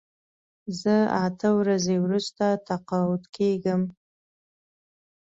زه اته ورځې وروسته تقاعد کېږم.